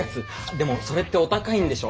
でもそれってお高いんでしょ？